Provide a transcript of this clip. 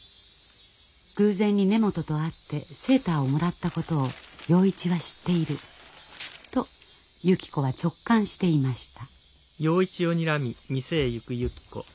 偶然に根本と会ってセーターをもらったことを洋一は知っているとゆき子は直感していました。